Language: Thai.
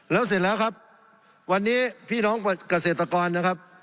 แล้วเสร็จแล้วครับวันนี้พี่น้องเกษตรกรนะครับ